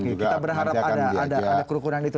oke kita berharap ada kerukunan itu